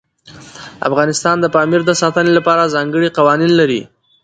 افغانستان د پامیر د ساتنې لپاره ځانګړي قوانین لري.